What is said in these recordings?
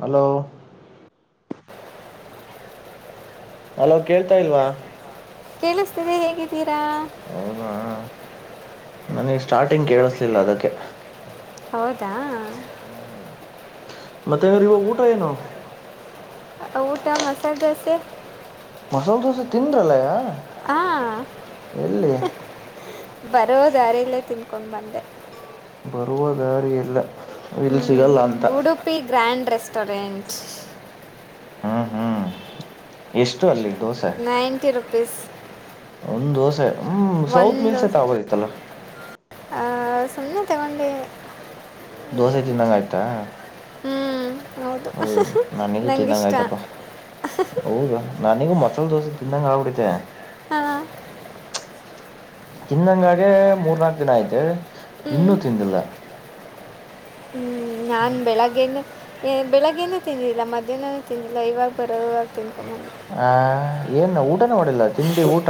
Hello hello ಕೇಳ್ತಾ ಇಲ್ವಾ ಕೇಳಿಸ್ತಿದೆ ಹೇಗಿದ್ದೀರಿ ತ್ತ ನನ್ನಿಷ್ಟ ಸ್ಟಾರ್ಟಿಂಗ್ ಕೇಳಿಸಲಿಲ್ಲ ಅದಕ್ಕೆ ದ ಮತ್ತೆ ಇವಾಗ ಊಟ ಏನೋ ಊಟ ಮಸಾಲೆ ದೋಸೆ ಮಸಾಲ ದೋಸೆ ತಿಿಂದ್ರೆಾ ಹಾ ಬರೋ ದಾರಲ್ಲೇ ತನ್್ಕೊಂಡು ಬಂದೆ ಬರುವ ದಾರ ಎಲ್ಲ ಹ್ಮ್ ಉಡುಪಿ ಗ್ರ್ಯಾಂಡ್ ರೆಸ್ ರೆಸ್ಟರಂಟ್ಸ್ ಹ್ಮ್ ಹ್ಮ್ ಎಷ್ಟು ಅಲ್ಲಿ ನೈಂಟಿ ಆ ಬಿಸ ಒಂದ ದೋಸೆ ಹ್ಮ್ ಸೌತ್ ಮಿಲ್ಸ್ ಐತ್ ದೋಸೆ ಆಗೋದಿತ್ತಲ್ಲ ಸುನ್ನ ತಗೊಂಡಿ ದೋಸೆ ತಿನ್ನಂಗ ಆಯ್ತಾ ಹ್ಮಞ ಓ ನಾನಿಗೂ ತಿನ್ನಂಗ ಆಯ್ತಪ್ಪಾ ಹೌದಾ ನಾನಿಗೂ ಮೊಸಾಲೆ ದೋಸೆ ತನ್ನಂಗ ಆಗ್ಬಿಡತೆೆ ಹಾಂ ತಿನ್ನಂಗಾಗೆ ಮೂರ್ನಾಾಲ್ಕು ದಿನ ಆಯ್ತೆ ಇನ್ನೂ ತಿಂದಿಲ್ಲ ಹ್ಮ್ ನಾನ್ ಬೆಳಗ್ಗೆಗೆ ಬೆಳಿಗ್ಗೆನು ತಿಂದಿಲ್ಲ ಮಧ್ಯಾಹ್ನ ತಿಂದಿಲ್ಲ ಇವಾಗ ಬರೋ ಇವಾಗ ತಿಿಂದಕೊ ಹ ಏನ್ ಊ ಊಟ ಕೊಲ್ಲ ತಿಂಡಿ ಊಟ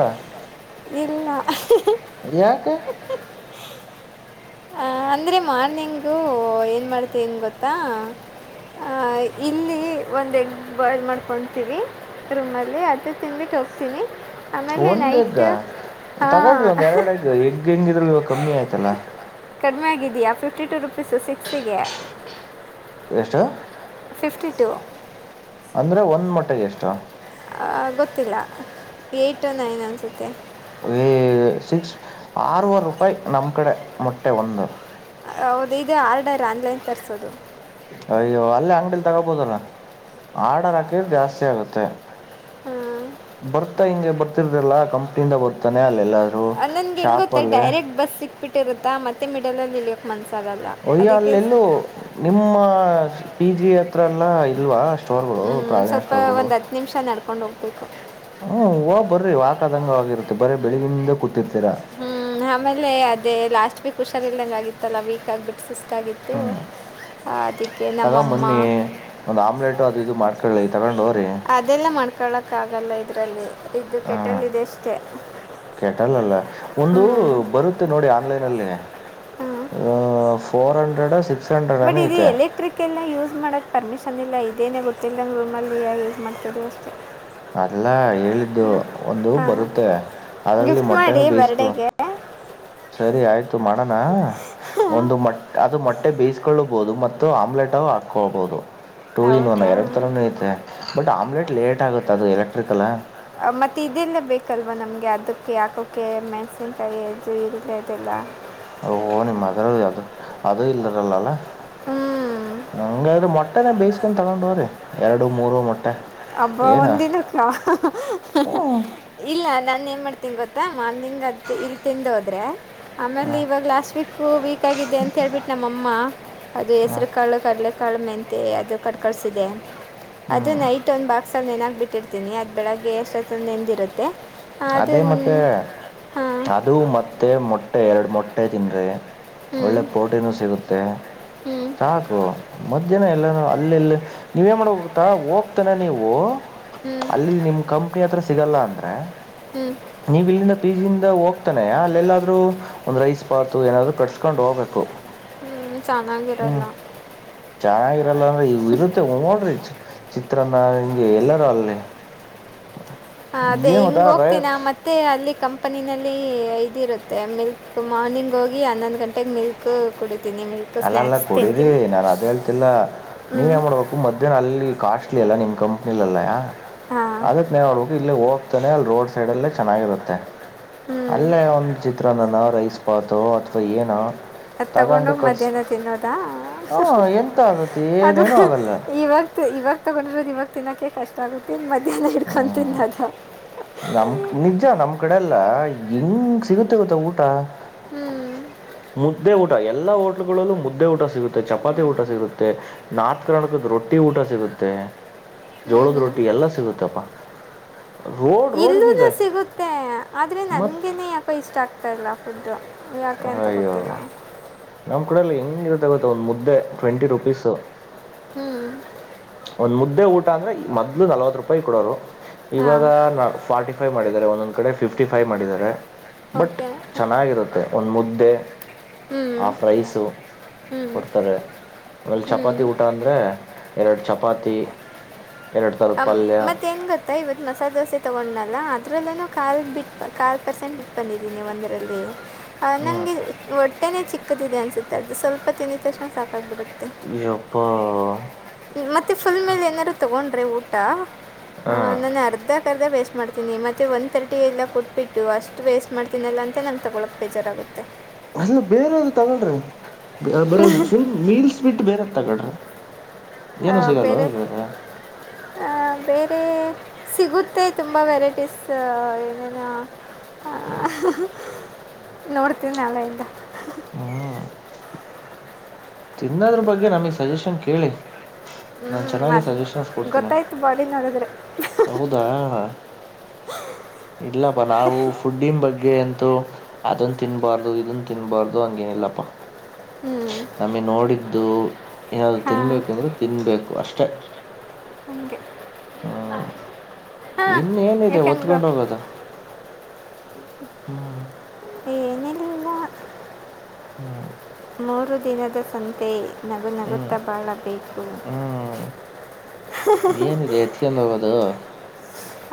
ಇಲ್ಲ ಯಾಕೆ ಅಂದರೆ ಮಾರ್ನಿಂಗು ಏನು ಮಾಡ್ತೀನಿ ಗೊತ್ತಾ ಇಲ್ಲಿ ಒಂದು ಎಗ್ ಬಾಯ್ಲ್ ಮಾಡ್ಕೊತೀವಿ ರೂಮಲ್ಲಿ ಅದ ತಿಿಂದ್ಬಿಟ್ಟು ಹೋಗ್ತೀನಿ ಆಮೇಲೆ ಒಂದ ಹೆಗ್ಗ ನೈಟ್ ಹಾಂ ತಗಳ್ರಿ ಒಂದ್ ಎರಡಗ್ ಎಗ್ ಇದ್ರಲ್ಲಿ ಇವಾಗ ಕಮ್ಮಿ ಆಯ್ತಲ್ಲ ಫರ್್ಟಿ ಟು ರುಪೀಸು ಸಿಕ್ಸಿಗೆ ಎಷ್ಟು ಫಿಫ್ಟಿ ಟು ಅಂದ್ರೆ ಒಂದ್ ಮಟ್ಟೆಗೆ ಎಷ್ಟ ಗೊತ್ತಿಲ್ಲ ಏಯ್ಟು ನೈನ್ ಅನ್ಸುತ್ತೆ ಸಿಕ್ಸ್ ಆರವರೆ ರೂಪಾಯಿ ನಮ್ ಕಡೆ ಮೊಟ್ಟೆ ಒಂದು ಹೌದ ಇೇ ಆರ್ಡರ್ ಆನ್ಲೈನ್ ತರಿಸೋದು ಅಯ್ಯೋ ಅಲ್ಲೇ ಅಂಗಡಿಲಿ ತಗೋಬೋುದಲ್ಲ ಆಡರ್ ಹಾಕಿದಿದ ಜಾಸ್ತಿ ಆಗುತ್ತೆ ಬರ್ತಾ ಹಿಂಗೆ ಬರ್ತಾ ಲ್ಲ ಕಂಪ್ನಿಯಿಂದ ಬರ್ತಾನೆ ಅಲ್ಲಿ ನನ್ಗೆ ಹೆಂಗ ಗೊತ್ತ ಡೈರೆಕ್ಟ್ ಬಸ್ ಸಿಕ್ಬಿಟ್ಟಿರುತ್ತಾ ಮತ್ತೆ ಮ ಲ್ಲಕ್ ಮನ್ಸ ಒಯ್ಯ! ಅಲ್ಲೆಲ್ಲೂ, ನಿಮ್ಮ ಪಿ, ಜಿ ಹತ್ರಲ್ಲ? [inaudible] ಲ್ಲ, ಇಲ್ವಾ, ಅ? [inaudible] ಹ್ಮ್, ಸ್ವಲ್ಪ, ಒಂದ್, ಹತ್ತು ನಿಮಿಷ ನಡಕ? [inaudible] ಕೊಂಡು, ಹೋಗ್ಬೇಕು? [inaudible] ದಂಗವಾಗಿರುತ್ತೆ, ಬರ ಬೆಳಿಗಿಂದ ಕುತ್ತ? [inaudible] ಹ್ಮ್, ಆಮೇಲೆ! ಅದೇ ಲಾಸ್ಟ್ ವೀಕ್? [inaudible] ಆಗತ್ತಲ್ಲ ವೀಕ್ ಆಗ್ಬಟ್ಟು ಹ್ಮ್, ಅದಕ್ಕೆ ತಗ ನಮ್ಮಮ್ಮ ಮೊನ್ನಿ, ಒಂದ್ ಆಮ್ಲೆಟ್! ಅದು ಇದು ಮಾಡ್ಕೊಲಾಲಿ. [inaudible] ತಗೊಂಡ.. [inaudible] ಅದೆಲ್ಲ, ಮಾಡ್ಕ. [inaudible] ಕೇಳೋಕ್ಕಾಗಲ್ಲ, ಇದರಲ್ಲಿ. [inaudible] ಹ್ಮ ಕೆಟಲ್ ಇದೆ ಅಷ್ಟೇ ಕೆೇಟಲ್ಲಲ್ಲ! ಹ್ಞೂ ಒಂದು ಬರುತ್ತೆ ನೋಡಿ ಆನ್ಲೈನ್? [inaudible] ಆಲಿ.. [inaudible] ಆ.. ಹ್ಞೂ [inaudible] ಫೋರ್, ಹಂಡ್ರೆಡ್ ಸ ಸಿಕ್ಸ್. [inaudible] ಬಟ್, ಇ ಐತೆ ಎಲೆಕ್ಟ್ರಿಕ್! ಎಲ್ಲ ಯೂಸ್ ಮಾಡಕ್ ಪರ್ಮಿಶನ್ ಇಲ್ಲ? ಇ. [inaudible] ಇದಏನೇ, ಗೊತ್ತಿಲ್ಲಂದ ರೂಮಲ್ಲಿ. ಯೂಸ್ ಮಾಡ್ತವಿ ಅಷ್ಟೇ. [inaudible] ಅಲ್ಲಾ, ಹೇಳಿದ್ದು ಹಾಂ ಒಂದು, ಹಾಂ ಬರುತ್ತೆ ಅದ್ರಲ್ಲಿ ಗಿಫ್ಟ್ ಮೊಟ್ಟೆನ ಮಾಡಿ ಬೇಯಿಸಕು. ಬರ್ಡೇಗೆ [unintelligible] ಸರಿ, ಆಯ್ತು! ಮಾಡೋಣ ಒಂದು ಮ ಅದು ಮಟ್ಟ. [inaudible] ಬೇಯಿಸಕೊಳ್ಳಬಹುದು, ಮತ್ತು ಆಮ್ಲೆಟ್ ಹಾಕೋಬಹುದು?. [unintelligible] Two, in one! ಹೌದಾ ಎರಡು ರಾನೂ ಐತೆ ಬಟ್ ಆಮ್ಲೆಟ್, ಲೇಟ್ ಆಗುತ್ತೆ? ಅದು ಎಲೆಕ್ಟ್ರಿಕಲ್ಲಾ. ಮತ್ತು ಇದೆಲ್ಲ [unintelligible] ಬೇಕಲ್ವ ನಮಗೆ ಅದಕ್ಕೆ, ಹಾಕೋಕ್ಕೆ ಮೆಣಸನ್ಕಾಯಿದು ಇರಲೇದಿಲ್ಲ. [unintelligible] ಓಹ! ನಿಮ್ಮ ಅದರ ಅದು ಅದು ಇಲ್ಲದರಲ್ಲ ಅಲ್ಲ. ಹ್ಞೂ [inaudible] ಹಂಗಾದ್ರೆ, ಮೊಟ್ಟೆನೆ! ಬೇಯಿಸಕನ್ ತಗೊಂಡ ಓಗ್ರಿ ಎರಡು, ಮೂರು, ಮೊಟ್ಟೆ. [inaudible] ಅತ್ತ. [inaudible] ಹಬ್ಬ, ಒಂದಿನಕ್ಕೆ, ಹ್ಞೂ ಇಲ್ಲ ನಾನ ನ್ ಮಾಡ. [inaudible] ತಿಂಗತ್ತಾ?.. [inaudible] ಮಾರ್ನಿಂಗ್ ಅದು ಇಲ್ಲಿ ತಿಂದು ಹೋದ್ರೆ ಆಮೇಲೆ, ಹಾಂ ಇವಾಗ ಲಾಸ್ಟ್, ವೀಕ್ ವೀಕ್! [inaudible] ಆಗಿದೆ ಅಂತ ಹೇಳ್ಬಿಟ್ಟು! ನಮ್ಮಮ್ಮ. ಅದು ಹಾಂ ಹೆಸ್ರು ಕಾಳು ಕಡ್ಲೆ?... ಕಾಲುಕ್ಮೆಂತೆ, ಅದು! ಕಟ್ಕಳಸಿದೆ. ಅದು ನೈಟ್? [inaudible] ಇಷ್ಟೊಂದು, ಬಾಕ್ಸ್. ಅಲ್ಲಿ ನೆನಾಗಕ್ ಬಿಟ್ಟಿರ್ತನಿ ಅದ ಬೆಳಗ್ಗೆ ಎಷ್ಟೊತ್ತ ನೆಂದಿರುತ್ತೆ? [unintelligible] ಅದೇ, ಮತ್ತೆ ಅದನ್ನ ಹಾಂ ಅದು! ಮತ್ತೆ ಮೊಟ್ಟೆ, ಎರಡು ಮೊಟ್ಟೆ. [inaudible] ಗಟೆ, ದಿನರೆ.. [inaudible] ಹ್ಞೂ ಒಳ್ಳೆ, ಪ್ರೋಟೀನು! ಸಿಗುತ್ತೆ ಹ್ಞೂ ಸಾಕು ಮಧ್ಯಾಹ್ನ ಎಲ್ಲ. [inaudible] ಅಲ್ಲೆಲ್ಲಿ, ನೀವ ಏನು ಮಾಡ ಹೋಗುತ್ತಾ ಹೋಗ್ತಾನ ನೀವು? ಹ್ಞೂ [inaudible] ಅಲ್ಲಿ, ನಿಮ್ ಕಂಪ್ನಿ ಹತ್ರ? [inaudible] ಸಿಗಲ್ಲ ಅಂದ್ರರೆ [unintelligible] ಹ್ಞೂ ನೀವು ಇಲ್ಲಿಂದ ಪೀಜ ಇಿಂದ ಹೋಗ್ತಾನೆ ಅಲ್ಲೆಲ್ಲಾದ್ರೂ ಒಂದ್ ರೈಸ್ ಬಾತ್ [unintelligible] ಏನಾದ್ರು ಕಟ್ಿಸಸ್ಕೊಂಡು ಹೋಗ್ಬೇಕು [unintelligible] ಹ್ಞೂ ಚೆನ್ನಾಗಿರಲ್ಲ ಹ್ಮ್ ಚೆನ್ನಾಗಿರಲ್ಲ ಅಂದ್ರೆ ಇ ಇರುತ್ತೆ ನೋಡ್ರಿ [unintelligible] ಚಿತ್ರಾನ್ನ ಹಂಗೆ ಎಲ್ಲರೂ ಅಲ್ಲಿೇ [unintelligible] ಹ ಅದೇ ಹಿಂಗ ಹೋಗ್ತೀಿನಾ ಮತ್ತೆ ಅಲ್ಲಿ ಕಂ [unintelligible] ಪ್ಪನಿನಲ್ಲಿ ಇದದು ಇರುತ್ತೆ ಆ ಮೇಲ್ಕ್ ಮಾರ್ನಿಂಗ್ ಹೋಗಿ ಅನ್ನ [unintelligible] ಅಲ್ಲ ಅಲ್ಲ ಸ್ನ್ಯಾಕ್ಸ್ ಕೊಡರಿ ತಿಂತೀನಿ ನಾನ್ ಅದ ಹೇಳ್ತಿಲ್ಲ ಹ್ಞೂ ನೀವೇನ್ ಮಾಡ್ಬೇಕು ಮಧ್ಯಾಹ್ನ ಅಲ್ಲಿ [unintelligible] ಕಾಸ್ಟ್ಲಿ ಅಲ್ಲಾ ನಿಮ್ ಕಂಪ್ನಿಲಲ್ಲಯಾ ಹಾಂ [unintelligible] ಅದಕ್ಕೆ ನರಡ್ಬೇಕು ಇಲ್ಲ ಹೋಗ [unintelligible] ಇ ಅಲ್ಲಿ ರೋಡ್ ಸೈಡ್ ಅಲ್ಲೇ ಚೆನ್ನಾಗಿರುತ್ತೆ [unintelligible] ಹ್ಞೂ ಅಲ್ಲೇ ಒಂದು್ ಚಿತ್ರ ನನ ರೈಸ್ ಬಾತು ಅಥವಾ [unintelligible] ಸ ಏನು [inaudible] ಹಾ [unintelligible] ಅದ ತಗೊಂಡೋಗ್ ಮಧ್ಯಾಹ್ನ ತಿನ್ನೋದ ಹಾಂ ಎಂತ ಆಗುತ್ತೆ ಅದು ಏನೇನೂ ಆಗಲ್ಲ ಇವಾಗ [unintelligible] ಇವಾಗ ತಗೊಂಡರೋದು ಇವಾಗ ತಿನ್ನಕ ಕಷ್ಟ ಆಗುತ್ತೆ ಮಧ್ಯಾಹ್ನ ಇಡ್ಕೊಂಡು [unintelligible] ನಮ್ ನಿಜ ನಮ್ ಕಡೆ ಎಲ್ಲ ಇಂಗ [unintelligible] ಸಿಗುತ್ತೆ ಗೊತ್ತ ಊಟ ಹ್ಞೂ [unintelligible] ಮುದ್ದೆ ಊಟ ಎಲ್ಲಾ ಊಟ [unintelligible] ಲ್ಲ ಮುದ್ದೆ ಊಟ ಸಿಗುತ್ತೆ ಚಪಾತಿ ಊಟ ಸಿಗುತ್ತೆ ನಾರ್ತ್ ಕರ್ನಾಟಕದ್ದು ರೊಟ್ಟಿ ಊಟ ಸಿಗುತ್ತೆ [unintelligible] ಜೋಳದ ರೊಟ್ಟಿ ಎಲ್ಲಾ ಸಿಗುತ್ತಪ್ಪಾ [unintelligible] ಇಲ್ಲೂನು ಸಿಗುತ್ತೆ ಆದ್ರೆ ಮತ್ ನನ್ಗೆನೆ ಯಾಕೋ ಇಷ್ಟ ಆಗ್ತದೆ [unintelligible] ತಲ್ಲಫದು [inaudible] ಅಯ್ಯೋ ನಮ್ ಕಡೆಲ್ಲಿ ಹೇಗಿರುತ್ತೆಗೊತ್ತಾ ಒಂದ್ ಮುದ್ದೆ [unintelligible] ಟ್ವೆಂಟಿ ರುಪೀಸ್ ಹ್ಞೂ ಒಂದ್ ಮುದ್ದೆ ಊಟ ಅಂದ್ರೆ [unintelligible] ಮೊದಲು ನಲವತ್ತು ರೂಪಾಯಿ ಕೊಡರು [unintelligible] ಇವಾಗ ಹಾಂ ನಾ ಫಾರ್ಟಿ ಫೈ್ ಮಾಡಿದ್ದಾರೆ ಒಂದೊಂದ್ ಕಡೆ ಫಿಫ್ಟಿಫ [unintelligible] ಫೈ ಮಾಡಿದ್ದಾರೆ [unintelligible] ಬಟ್ ಓಕೆ ಚೆನ್ನಾಗಿರುತ್ತೆ [unintelligible] ಒಂದ್ ಮುದ್ದೆ ಹ್ಞೂ ಆಫ್ ರೈಸ ಹ್ಞೂ ಕೊಡ್ತಾರೆ ಆಮೇಲೆ ಹ್ಞೂ ಚಪಾತಿ ಊಟ ಅಂದ್ರೆ [unintelligible] ಎರಡು ಚಪಾತಿ [unintelligible] ಥರದ ಅ ಪಲ್ಯ ಮತ್ತೆ ಹೆಂಗ್ ಗೊತ್ತಾ ಇವತ್ ಮಸಾಲೆ ದೋಸೆ ತಗೊಂಡ್ [unintelligible] ಅ ಅದ್ರಲ್ಲನು ಕಾಲ ಬಿಟ್ ಕಾಲ್ ಪರ್ಸೆಂಟ್ ಬಿಟ್ಟು ಬಂದಿದ್ದೀನಿ ಒಂದೇರಲ್ಲಿ ಹ್ಮ್ ನಂಗೆ ಒಟ್ಟನೆ ಚಿಕ್ಕ ದಿದೆ ಅನ್ಸುತ್ತೆ ಸ್ವಲ್ಪ ತಿಂದಿದ್ ತಕ್ಷಣ ಸಾಕಕ್ಬಿಟ್ಟೆ ಯೂಪಾ ಮತ್ತೆ ಫುಲ್ ಮೇಲೆ ಏನಾರರು ತಗೊಂಡ್ರಿ ಊಟ ಹಾ ನನ್ ಅರ್ಧ ಅರ್ಧ ವೇಸ್ಟ್ ಮಾಡ್ತೀನಿ ಮತ್ತೆ ಒನ್ ತರ್ಟಿ ಎಲ್ಲ ಕೊಟ್ಬಿಟ್ಟು ಅಷ್ಟು ವೇಸ್ಟ್ ಮಾಡ್ತೀನಲ್ಲ ಅಂತ ನಂಗೆ ತಗೊಳ್ಳಳಕ್ಕೆ ಬೇಜಾರಾಗುತ್ತೆ ಅಲ್ಲ ಬೇರೆ ತಗೋಳ್ರಿ ಬರಾ ಫುಲ್ ಮೀಲ್ಸ್ ಆದ್ ಬಿಟ್ ಬೇರೆ ತಗಳ್ರಿ ಹ ಬೇರೆ ಅ ಬೇರೆ ರೆ ಸಿಗುತ್ತೆ ತುಂಬ ವೆರೈಟೀಸ್ ಏನೇನು ಆ ನೋಡ್ತೀನಿ ನಾಳೆ ಇಂದ ಹ್ಮ್ ತಿನ್ನೋದ್ರ ಬಗ್ಗೆ ನಮಗ್ ಸಜೆಷನ್ ಕೇಳಿ ಹ್ಞೂ ನಾ ಚೆನ್ನಾಗಿ ಅದು ಸಜೆಷನ್ಸ್ ಕೊಡ್ತೀನೀ ಗೊತ್ತಾಯ್ತು ಬಾಡಿ ನೋಡಿದ್ರೆ ಹೌದಾ ಇಲ್ಲಪ್ಪ ನಾವು ಫುಡ್ಡನ್ ಬಗ್ಗೆ ಅಂತ ಅದನ್ ತಿನ್ನಬಾರ್ದು ಇದನ್ನ ತಿನ್ನಬಾರ್ದು ಹಂಗೇನಿಲ್ಲಪ್ಪ ಹ್ಮ್ ನಮಗೆ ನೋಡಿದ್ದು ಏನಾದರು ಹಾಂ ತಿನ್ಬೇಕು ಅಂದ್ರೂ ತಿನ್ಬೇಕು ಅಷ್ಟೆ ಅಷ್ಟೇ ಅಂಗೆ ಇನ್ನೇಏನಿದೆ ಯು ಕ್ಯಾನ್ ಗೋ ಒತ್ಕೊಂಡ್ ಹೋಗೋದು ಹಾ ಏನಿಲ್ಲ ಮೂರು ದಿನದ ಸಂತೆ ನಗು ಹ್ಞೂ ನಗುತ್ತಾ ಬಾಳ ಬೇಕು ಹ್ಞೂ ಏನಿದೆ ಎತ್ಕೊಂಡು ಹೋಗೋದು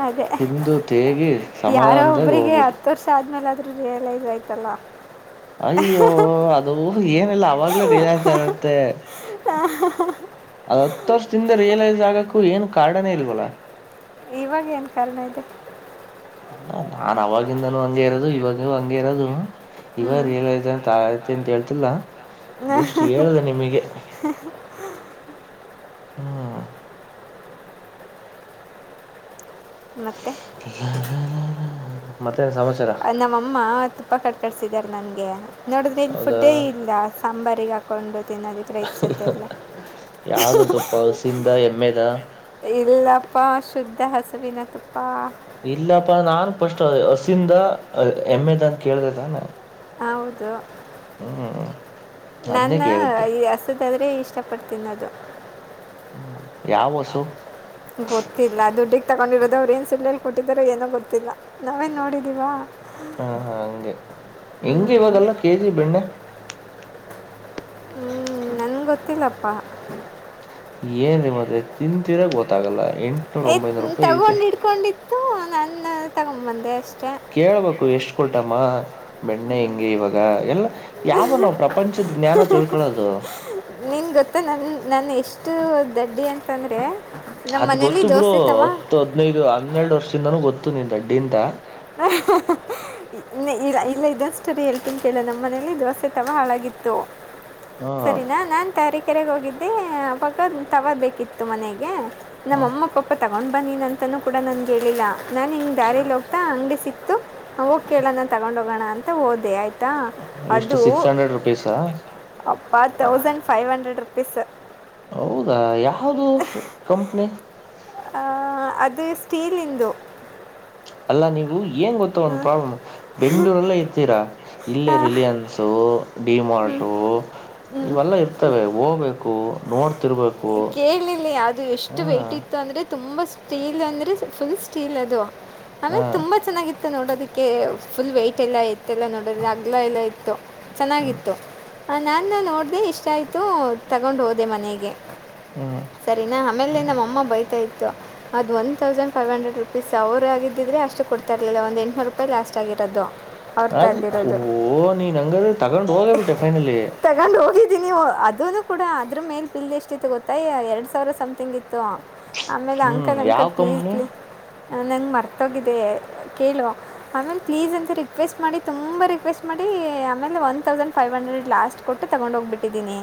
ಅದೇ ತಿಂದು ತೇಗಿ ಯಾರೋ ಸಮಾಧಾನದಾಗ ಒಬರಿಗೆ ಹೋಗ್ಬೇಕು ಹತ್ತು ವರ್ಷ ಆದ್ಮೇಲೆ ರಿಯಲೈಸ್ ಆಯ್ತಲ್ಲ ಅಯ್ಯೋ ಅದು ಏನಲ್ಲ ಅವಾಗ್ಲೇ ರಿಯಲೈಸ್ ಆಗತ್ತೆ ಹಾ ಅ ಹತ್ತು ವರ್ಷದಿಂದ ರಿಯಲೈಸ್ ಆಗಕ್ಕು ಏನು ಕಾರಾರ್ನೇ ಇಲ್ವಲ್ಲ ಇವಾಗೇಏನು ಕಾರಣ ಇದೆ ನಾನ್ ಅವವಾಗಿಂದಾನೂ ಹಂಗಗೆ ಇರೋದು ಇವಾಗೂ ಹಂಗೆ ಇರೋದು ಹ್ಞೂ ಇವಾಗ ರಿಯಲೈಸ್ ಆಯ್ತು ಅಂತ ಹೇಳ್ತಿಲ್ಲ ಜಸ್ಟ್ ಹೇಳಿದೆ ನಿಮಗೆ ಮತ್ತೆ ಮತ್ತೇನ್ ಸಮಾಚಾರ ನಮ್ಮಮ್ಮಮ್ಮ ತುಪ್ಪಾ ಕಟ್ಟ ಕಳಿಸಿದ್ದಾರೆ ನಂಗೆ ನೋಡಿದ್ರೆ ಇನ್ ಹೌದಾ ಫುಡ್ಡೇ ಇಲ್ಲ ಸಾಂಬಾರಿಗೆ ಹಾಕೊಂಡು ತಿನ್ನೋದಕ್ಕೆ ರೈಸ್ ಗೆಲ್ಲ ಯಾವ್ದದಪ್ಪ ಹಸಿಂದ ಎಮ್ಮೆದ ಇಲ್ಲಪ್ಪ ಶುಧ್ಧ ಧ ಹಸುವಿನ ತುಪ್ಪಾ ಇಲ್ಲಪ್ಪ ನಾನ್ ಫಸ್ಟ್ ಹಸಿಂದ ಎಮ್ಮೆದ ಅಂತ ಕೇಳ್ದ ತಾನೆ. ಹೌದು. ಹ್ಮ್ ಅದ್ನೇ ನನ್ನ ಕೇಳಿದ್ದು ಈ ಹಸದಾದ್ರೆ ಇಷ್ಟ. ಕಷ್ಟಪಡ್ತನ್ನೋದು. ಹ್ಮ್ ಯಾವಸು. ಗೊತ್ತಿಲ್ಲ ದುಡ್ಡಿಿಗೆ ತಗೊಂಡಿರೋದ ಅವ್ರು ಏನ್ ಸುಳ್ಳಲ್ಲಿ ಕೊಟ್ಟಿದಾರೋ ಏನೋ ಗೊತ್ತಿಲ್ಲ ನಾವೇನ್ ನೋಡಿದೀವಾ. ಹಾ ಹಾ ಹಂಗೆ ಹೆಂಗೆ ಹ್ಞೂ ಇವಾಗಲ್ಲ ಕೆಜಿ ಬೆಣ್ಣೆ. ಹ್ಮ್ ನನ್ ಗೊತ್ತ. ತಿಲಪ್ಪ. ಏನ್ೀ ಮತ್ತೆ ತಿನ್ಂತರಾಗ ಗೊತ್ತಾಗಲ್ಲ. ಎಂಟ್ನೂರು ತ್ ಒಂಬೈನೂರು ರೂಪಾಯಿ ಐತೆ ತಗೊಂಡ್ ಇಡ್ಕೊಂಡಿ. ಇದು ನಾನ ತಗೊಂಬಂದೆ ಅಷ್ಟೆ. ಕೇಳ್ಬೇಕು ಎಷ್ಟು ಕೊಟ್ಟಮ್ಮ. ಬೆಣ್ಣೆ ಹೆಿಂಗೆ ಇವಾಗ ಎಲ್ಲ. ಯಾವ ನಾವು ಪ್ರಪಂಚದ ಜ್ಞಾನ ತಿಳ್ಕೊಳ್ಳೋದು. ಇಷ್ಟು ದಡ್ಡಿ ಅಂತಂದ್ರೆ. ಅದ್ ಗೊತ್ತು ಬಿಡು ಹತ್ತು ಹದ್ನೈದು ಹನ್ನೆರಡು ವರ್ಷದಿಂದಾನೂ ಗೊತ್ತು. ಮತ್ತು ನೀ ದಡ್ಡಿಂದ. ಇಲ್ಲ ಇದಷ್ಟರಿ ಹೇಳ್ತೀನ್ ಕೇಳ ನಮ್ಮನೇಲಿ ದೋಸೆ ತವ ಹಾಳಾಗಿತ್ತು. ಹಾ ಸರಿನಾ ನಾನ್ ತಾರೀಕೆರೆಗೆ ಹೋಗಿದ್ದೆ. ದೇ ಪಕ್ಕ ಟವರ್ ಬೇಕಿತ್ತು ಮನೆಗೆ. ನಮ್ಮ ಅಮ್ಮ ಪಪ್ಪ ತ. ಒಂದು ಬನ್ನಿನ ಅಂತನೂ ಕೂಡ ನನ್ಗೆ ಹೇಳಿಲ್ಲ ನಾನು ಹಿಗೆ ದಾರೆಲ್ಲಿ ಹೋಗ. ಅಂಗಡಿ ಸಿಕ್ತು. ಹೋಗ್ ಕೇಳಂದನ್ ತಗೊಂಡ ಹೋಗೋಣ. ಅಂತ ಹೋದೆ ಆಯ್ತು. ಎಷ್ಟು ಅದು ಸಿಕ್ಸ್ ಹಂಡ್ರೆಡ್ ರುಪೀಸಾ ಅಪ್ಪ ತೌಸಂಡ್. Five hundred rupees. ಹೌದಾ ಯಾ. ಯಾೌದು ಕಂಪ್ನಿ. ಆ ಅದು ಸ್ಟೀಲ್ಂದು. ಅಲ್ಲ ನೀವು. ಏನು ಗೊತ್ತ ಒಂದು ಪ್ರಾಬ್ಲಮ್ ಬೆಂಗ್ಳೂರಲ್ಲೇ ಇರ್ತೀರಾ ಇಲ್ಲೇ ಆ, ರಿಲಿಯನ್ಸು ಡಿಮಾರ್ಟು ಇವೆಲ್ಲ ಇರ್ತವೆ ಹೋಗ್ಬೇಕು ನೋಡ್ತಿರ್ಬೇಕು ಹ. ತುಂಬಾ ಸ್ಟೀಲ್ ಅಂದ್ರೆ ಫುಲ್ ಸ್ಟೀಲ್ ಅದು. ಆಮೇ ಹಾ ತುಂಬಾ ಚೆನ್ನಾಗಿತ್ತು. ನೋಡೋದಕ್ಕೆ ಫುಲ್ ವೈಟ್ ಎಲ್ಲ ಇತ್ತ ಎಲ್ಲ ನೋಡೋ ಅಗ್ಲ ಎಲ್ಲ ಇತ್ತು ಚೆನ್ನಾಗಿತ್ತು ನಾನ ನೋಡದೆ ಇಷ್ಟ ಆಯ್ತು ತಗೊಂಡ್ ಹೋದೆ ಮನೆಗೆ. ಹ್ಮ್ ಸರಿನಾ ಆಮೇಲೆ ನಮ್ಮ ಅಮ್ಮ ಬೈತಾ ಇತ್ತು ಅದು್ one thousand five hundred rupees ಅವ್ರು ಆಗಿದ್ದಿದ್ರೆ ಅಷ್ಟು ಕೊಡ್ತಾರೆ ಅಲ್ಲ ಒಂದುಂಟುನರು ರೂಪಾಯಿ ಲಾಸ್ಟ್ ಆಿರೋದು ಅದ ಓ ನೀ ನಂಗ ತಗೊಂಡು ಹೋಗೇ ಬಿಟ್ಟೆ ಫೈನಲ್ಲಿ ಅನು ಕೂಡ ಅದ್ರ ಮೇಲೆ ಬಿಲ್ ಎಷ್ಟಿತ್ತು ಗೊತ್ತಾಯ ಎರಡು ಸಾವಿರ ಸಮ್ಥಿಂಗ್ಿತ್ತು ಆಮೇಲೆ ಹ್ಮ್ ಅಂಕದ ಅಂಕ ಯಾವ ಕಂಪ್ನಿ ಕತ್ಲಿ ನಂಗೆ ಮರ್ತೋಗಿದೆ ಕೇಳುವ ಆಮೇಲೆ ಪ್ಲೀಸ್ ಅಂತ ರಿಕ್ವೆಸ್ಟ್ ಮಾಡಿ ತುಂಬ ರಿಕ್ವೆಸ್ಟ್ ಮಾಡಿ ಆಮೇಲೆ one thousand five hundred last ಕೊಟ್ಟು ತಗೊಂಡ ಹೋಗ್ಬಿಟ್ಟಿದ್ದೀನಿ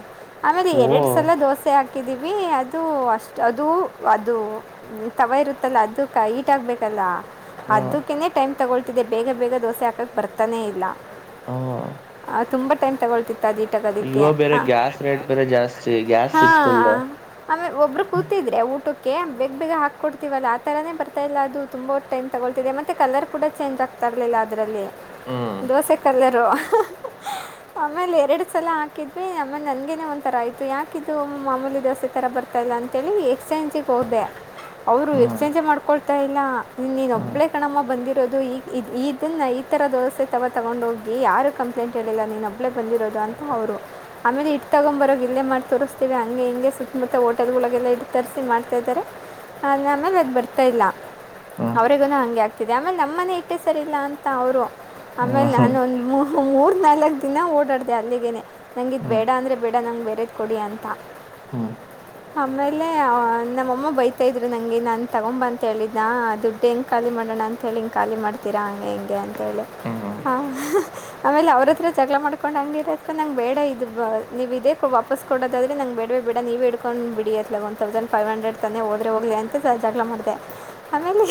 ಆಮೇಲೆ ಓ ಎರಡ್ ಸಲ ದೋಸೆ ಆಗ್ತ ಹಾಕಿದ್ದೀವಿ ಅದು ಅಷ್ಟು ಅದುೂ ಅದು ತವಾ ಇರುತ್ತಲ್ಲ ಅದು ಕ ಈಟ್ ಆಗಬೇಕಲ್ಲ ಹ್ಮ ಅದಕ್ಕೇ ಟೈಮ್ ತಗೊಳ್ ಬೇಗ ಬೇಗ ದೋಸೆ ಹಾಕಕ್ ಬರ್ತಾನೆ ಇಲ್ಲ ಹ್ಮ ತುಂಬಾ ಟೈಮ್ ತಗೊಳ್ತಿತ್ತು ದಿಟದಿಕ್ಕೆ ಇವ ಬೇರೆ ಗ್ಯಾಸ್ ರೇಟ್ ಬೇರೆ ಜಾಸ್ತಿ ಗ್ಯಾಸ್ ಹಾ ಸಿಗ್ತಿಲ್ಲ ಆಮೇ ಒಬ್ರು ಕೂತಿದ್ರೆ ಊಟ ಕೆ ಬೇಗ್ ಬೇಗ ಹಾಕೊಡ್ತೀವಲ್ಲ ಆ ತರನೇ ಬರ್ತಾ ಇಲ್ಲ ಅದು ತುಂಬ ಟೈಮ್ ತಗೊಳ್ತಿದೆ ಮತ್ತೆ ಕಲರ್ ಕೂಡ ಚೇಂಜ್ ಆಗ್ತಾ ಇರ್ಲಿಲ್ಲ ಅದರಲ್ಲಿ ಹ್ಮ್ ದೋಸೆ ಕಲರು ಆಮೇಲೆ ಎರಡು ಸಲ ಹಾಕಿದ್ವಿ ಆೇಲೆ ನನ್ಗನೆ ಒಂಥರ ಆಯ್ತು ಯಾಕಿದ್ದು ಮಾಮೂಲಿ ದೋಸೆ ತರ ಬರ್ತಾ ಇಲ್ಲ ಅಂತೇಳಿ ಎಕ್ಸ್ಚೇಂಜಿಗೆ ಹೋದೆ ಅವ್ರು ಹ್ಮ್ ಎಕ್ಸ್ಚೇಂಜ್ ಮಾಡ್ಕೊ ಮ ಎಲ್ಲ ಇನ್ನನೊಬ್ಬ ಹಬ್ಳೇ ಕಣಮ್ಮ ಬಂದಿರೋದು ಈಗ ಇದು ಇದನ್ನು ಈ ಥರ ದೋಸೆ ತಗ ತೊಗೊಂಡೋಗಿ ಯಾರೂ ಕಂಪ್ಲೇಂಟ್ ಹೇಳಿಲ್ಲ ನೀನು ಹಬ್ಳೇ ಬಂದಿರೋದು ಅಂತ ಅವರು ಆಮೇಲೆ ಇಟ್ಟು ತಗೊಂಬರೋಗೆ ಇಲ್ಲೇ ಮಾಡಿ ತೋರಿಸ್ತೀವಿ ಹಂಗೆ ಹಿಂಗೆ ಸುತ್ತಮುತ್ತ ಹೋಟೆಲ್ಗಳಿಗೆಲ್ಲ ಇಟ್ಟು ತರಿಸಿ ಮಾಡ್ತಾಯ್ದಾರೆ ಆಮೇಲೆ ಅದು ಬರ್ತಾಯ ಇಲ್ಲ ಹ್ಮ್ ಅವರ ಹಗೆ ಆಗ್ತಿದೆ ಆಮೇಲೆ ನಮ್ಮ ಮನೆ ಇಟ್ಟೇ ಸರಿ ಇಲ್ಲ ಅಂತ ಅವರು ಆಮೇಲೆ ನಾನ ಹ್ಮ್ ಒಂದ್ ಮೂ ನಾಲ್ಕು ದಿನ ಓಡಾಡ್ದ ಅಲ್ಲಿಗೆೇನೆ ನಂಗಿದ ಹ್ಮ್ ಹ್ಮ್ ಬೇಡ ಅಂದ್ರೆ ಬೇಡ ನಂಗೆ ಬೇರೆದ ಕೊಡಿ ಅಂತ ಹ್ಮ್ ಆಮೇಲೆ ನಮ್ಮಮ್ಮ ಬೈತಾ ಇದ್ರು ನಂಗೆ ನಾನು ತಗೊಂಬ ಅಂತ ಹೇಳಿದ ನ ದುಡ್ಡು ಹೆಂ ಖಾಲಿ ಮಾಡೋಣ ಅಂತೇಳಿ ಹಿಂಗೆ ಖಾಲಿ ಮಾಡ್ತೀರಾ ಹಂಗೆ ಹಿಂಗೆ ಅಂತೇಳಿ ಹ್ಮ್ ಆಮೇಲೆ ಅವ್ರ ಹತ್ರ ಜಗಳ ಮಾಡ್ಕೊಂಡು ಹಂಗಗೆ ಇರ ನಂಗೆ ಬೇಡ ಇದು ಬ ನೀವು ಇದೇ ವಾಪಸ್ ಕೊಡೋದಾದ್ರೆ ನಂಗೆ ಬೇಡವೇ ಬೇಡ ನೀವುೇ ಹೇಡ್ಕೊಂಡು ಬಿಡಿಯತ್ತಲ್ಲ ಒನ್ ತೌಸಂಡ್ ಫೈವ್ ಹಂಡ್ರೆಡ್ ತಾನೇ ಹೋದ್ರರೆ ಹೋಗ್ಲಿ ಅಂತ ಜಗಳ ಮಾಡಿದೆ ಆಮೇಲೆ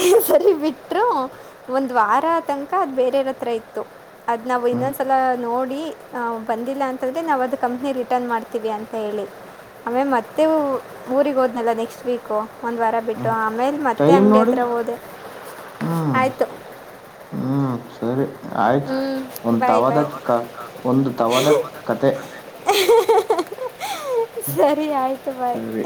ಬಿಟ್ಟರು ಒಂದು್ ವಾರ ತನಕ ಅದು ಬೇರೆರ ಹತ್ರ ಇತ್ತು ಅದು ನಾವು ಹ್ಮ್ ಇನ್ನೊಂದ್ಸಲ ನೋಡಿ ಬಂದಿಲ್ಲ ಅಂತಂದೆ ನಾವವು ಅದು ಕಂಪ್ನಿ ರಿಟರ್ನ್ ಮಾಡ್ತೀವಿ ಅಂತ ಹೇಳಿ ಆಮೇ ಮತ್ತೆ ಊರಿಗೆ ಹೋದ್ನಲ್ಲ ನೆಕ್ಸ್ಟ್ ವೀಕು ಒಂದ್ ವಾರ ಬಿಟ್ಟು ಹ್ಮ್ ಆಮೇಲೆ ಮತ್ತೆ ಟೈಮ್ ಅಂಗಗೆ ನೋಡಿ ಹತ್ರ ಹೋದೆ ಆಯ್ತು ಹ್ಮ ಸರಿ ಆಯ್ತು ಹ್ಞೂ ಒಂದ್ ಬಾಯ್ ಬಾಯ್ ತವದಕ್ ಕ ಒಂದು ತವದಕ್ ಕತೆ ಸರಿ ಆಯ್ತು ಬಾಯ್ ಸರಿ